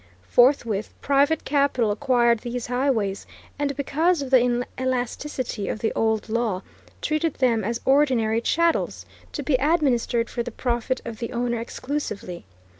Forthwith, private capital acquired these highways, and because of the inelasticity of the old law, treated them as ordinary chattels, to be administered for the profit of the owner exclusively.